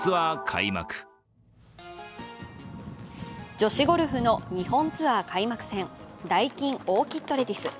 女子ゴルフの日本ツアー開幕戦ダイキンオーキッドレディス。